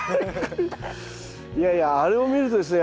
いやいやあれを見るとですね